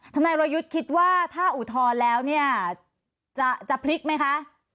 ทนายวรยุทธ์คิดว่าถ้าอุทธรณ์แล้วเนี่ยจะพลิกไหมคะ